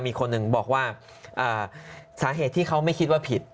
มีคนหนึ่งบอกว่าสาเหตุที่เขาไม่คิดว่าผิด